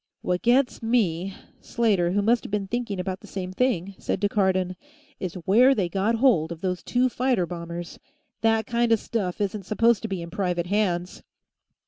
"What gets me," Slater, who must have been thinking about the same thing, said to Cardon, "is where they got hold of those two fighter bombers. That kind of stuff isn't supposed to be in private hands."